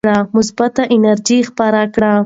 مثبته انرژي خپره کړئ.